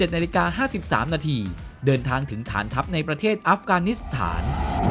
๑นาฬิกา๕๓นาทีเดินทางถึงฐานทัพในประเทศอัฟกานิสถาน